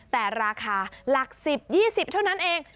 แต่ราคาหลักสิบยี่สิบเท่านั้นเอง